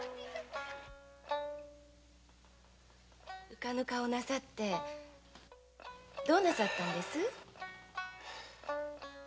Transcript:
浮かぬ顔なさってどうなさったのです？